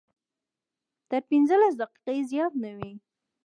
تر پنځلس دقیقې زیات نه وي.